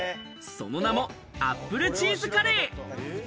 その名もアップルチーズカレー。